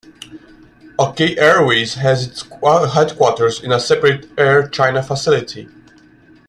Okay Airways has its headquarters in a separate Air China facility.